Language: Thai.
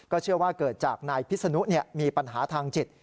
เชื่อว่าเกิดจากนายพิษนุมีปัญหาทางจิต